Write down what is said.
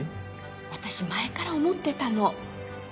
私前から思ってたの。